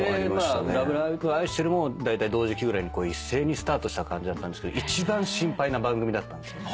『ＬＯＶＥＬＯＶＥあいしてる』もだいたい同時期ぐらいに一斉にスタートした感じだったんですけど一番心配な番組だったんですよね。